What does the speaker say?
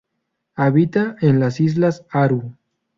Habita en las islas Aru.